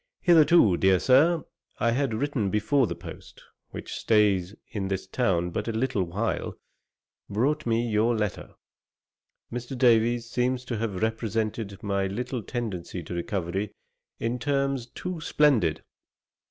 Hitherto, dear Sir, I had written before the post, which stays in this town but a little while, brought me your letter. Mr. Davies seems to have represented my little tendency to recovery in terms too splendid.